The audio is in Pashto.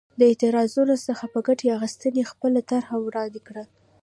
د اعتراضونو څخه په ګټې اخیستنې خپله طرحه وړاندې کړه.